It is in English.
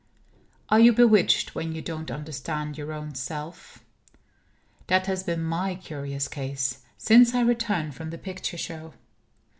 Are you bewitched when you don't understand your own self? That has been my curious case, since I returned from the picture show.